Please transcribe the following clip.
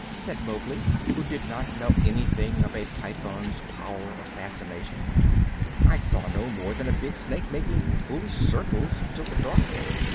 said Mowgli, who did not know anything of a python's powers of fascination. "I saw no more than a big snake making foolish circles till the dark came.